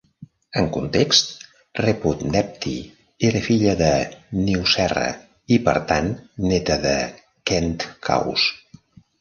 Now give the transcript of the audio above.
En context, Reputnebty era filla de Nyuserre i, per tant, neta de Khentkaus.